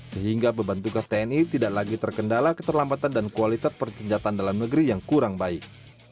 sehingga beban tugas tni tidak lagi terkendala keterlambatan dan kualitas persenjataan dalam negeri yang kurang baik